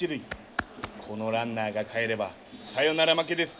このランナーがかえればサヨナラ負けです。